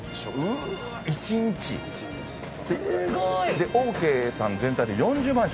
でオーケーさん全体で４０万食？